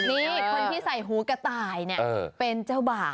นี่คนที่ใส่หูกระต่ายเนี่ยเป็นเจ้าบ่าว